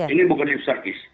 ini bukan hipsterkis